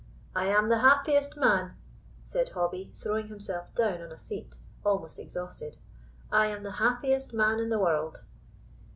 "I am the happiest man," said Hobbie, throwing himself down on a seat, almost exhausted, "I am the happiest man in the world!"